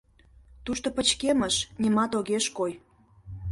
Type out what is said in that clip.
Тушто пычкемыш, нимат огеш кой...